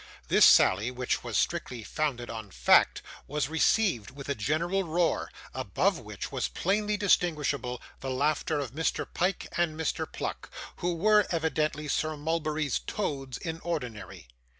This sally (which was strictly founded on fact) was received with a general roar, above which, was plainly distinguishable the laughter of Mr. Pyke and Mr. Pluck, who were, evidently, Sir Mulberry's toads in ordinary.